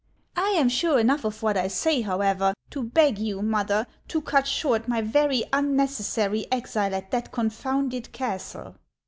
" I am sure enough of what I say, however, to beg you, mother, to cut short my very unnecessary exile at that confounded castle."